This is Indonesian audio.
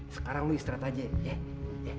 sekarang lo istirahat aja ya